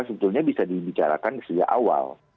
sebetulnya bisa dibicarakan sejak awal